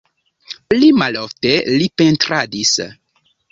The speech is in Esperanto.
Pli malofte li pentradis.